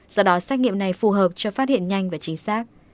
do đó xét nghiệm này phù hợp cho phát hiện nhanh và chính xác